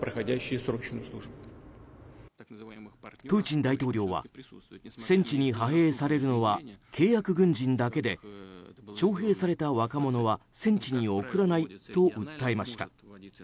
プーチン大統領は戦地に派兵されるのは契約軍人だけで徴兵された若者は戦地に送らないと訴えました。